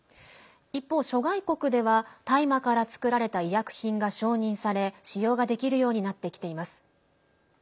一方、諸外国では大麻から作られた医薬品が承認され使用ができるようになってきています。